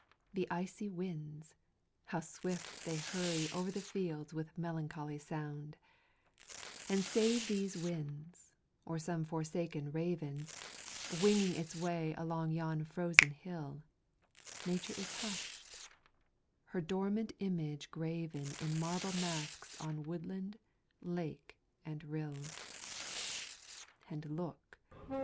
the icy winds how swift they hurry Over the fields with melancholy sound; And save these winds or some forsaken raven, Winging its way along yon frozen hill, Nature is hush'd her dormant image graven In marble masks on woodland, lake and rill. And look!